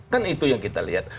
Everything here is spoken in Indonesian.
kan itu yang kita lihat